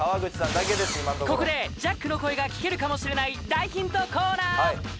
ここでジャックの声が聞けるかもしれない大ヒントコーナー